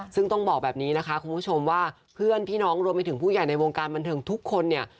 ซึ่งต้องบอกแบบนี้นะคะคุณผู้ชมว่าเพื่อนพี่น้องรวมไปถึงผู้ใหญ่ในวงการบันเทิงทุกคนเนี่ย